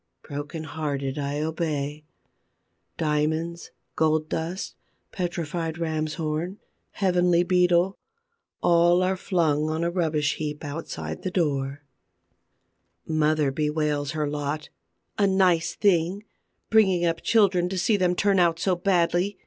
Broken hearted, I obey. Diamonds, gold dust, petrified ram's horn, heavenly Beetle, are all flung on a rubbish heap outside the door. Mother bewails her lot: "A nice thing, bringing up children to see them turn out so badly!